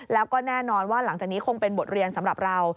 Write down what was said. แล้วก็แน่นอนว่าหลังจากนี้คงเป็นบทเรียนสำหรับเรา